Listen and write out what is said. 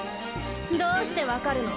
どうして分かるの？